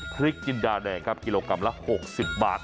พริกจินดาแดงครับกิโลกรัมละ๖๐บาท